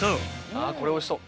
これおいしそう。